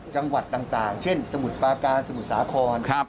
จังหวัดต่างเช่นสมุทรปาการสมุทรสาคร